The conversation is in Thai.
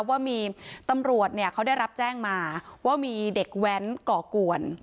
ว่ามีตำรวจเขาได้รับแจ้งมาว่ามีเด็กแว้นก่อกวน